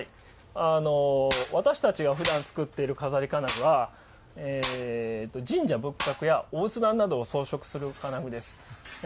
あの私たちがふだん作っている錺金具は神社仏閣やお仏壇などを装飾する金具です。